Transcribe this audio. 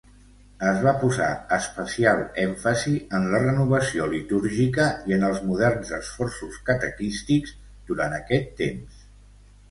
Es va posar especial èmfasi en la renovació litúrgica i en els moderns esforços catequístics durant aquest temps.